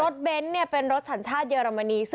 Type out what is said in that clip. สภาพรถแบบนี้